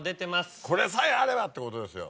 これさえあれば！ってことですよ。